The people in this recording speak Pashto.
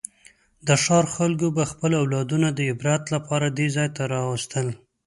د ښار خلکو به خپل اولادونه د عبرت لپاره دې ځای ته راوستل.